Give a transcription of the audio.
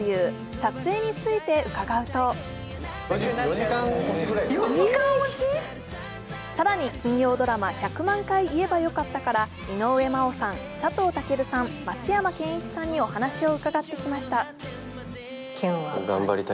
撮影について伺うと更に金曜ドラマ、「１００万回言えばよかった」から井上真央さん、佐藤健さん、松山ケンイチさんにお話を伺ってきました。